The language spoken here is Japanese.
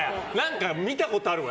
見たことあるわ。